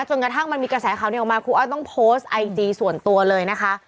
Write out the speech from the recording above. จนกระทั่งมันมีกระแสข่าวนี้ออกมาครูอ้อยต้องโพสต์ไอจีส่วนตัวเลยนะคะ